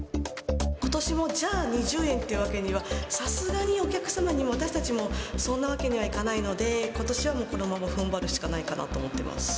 ことしもじゃあ、２０円っていうわけには、さすがにお客様にも私たちも、そんなわけにはいかないので、ことしはこのまま踏ん張るしかないかなと思ってます。